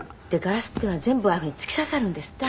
ガラスっていうのは全部ああいうふうに突き刺さるんですって？